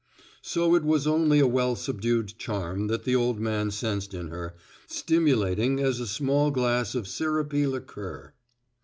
So it was only a well subdued charm that the old man sensed in her, stimulating as a small glass of syrupy liqueur.